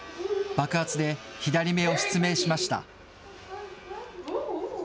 爆発で左目を失明しました。